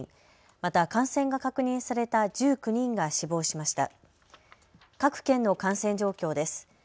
また感染が確認された１９人が死亡しました。